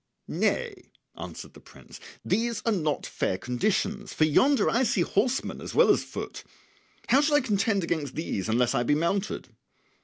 "Nay," answered the prince, "these are not fair conditions, for yonder I see horsemen as well as foot; how shall I contend against these unless I be mounted?"